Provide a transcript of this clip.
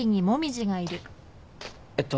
えっと。